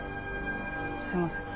すいません。